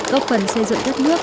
góp phần xây dựng đất nước